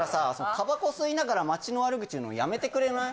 タバコ吸いながら街の悪口言うのやめてくれない？